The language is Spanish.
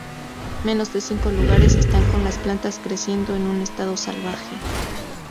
Menos de cinco lugares restan con las plantas creciendo en estado salvaje.